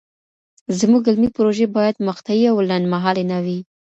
زموږ علمي پروژې باید مقطعي او لنډمهالې نه وي.